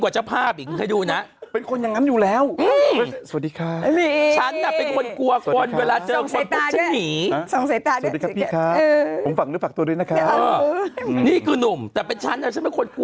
ฉันเป็นคนกลัวคนเวลาเจอคนปุ๊บฉันหนี